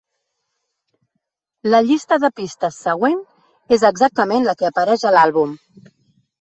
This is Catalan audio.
La llista de pistes següent és exactament la que apareix a l'àlbum.